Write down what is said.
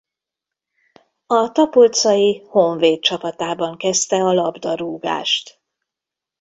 A Tapolcai Honvéd csapatában kezdte a labdarúgást.